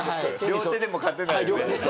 両手でも勝てないよね。